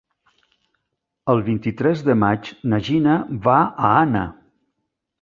El vint-i-tres de maig na Gina va a Anna.